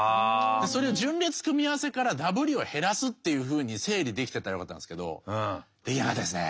それを順列組み合わせからダブリを減らすっていうふうに整理できてたらよかったんですけどできなかったですね。